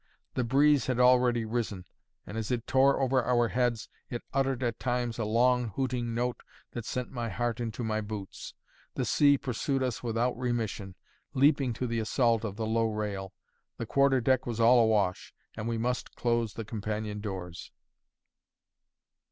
The breeze had already risen, and as it tore over our heads, it uttered at times a long hooting note that sent my heart into my boots. The sea pursued us without remission, leaping to the assault of the low rail. The quarter deck was all awash, and we must close the companion doors.